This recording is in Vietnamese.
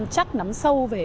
chắc nắm sâu về